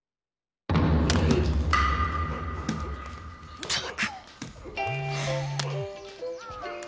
ったく。